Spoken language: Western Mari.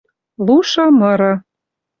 Лушы мыры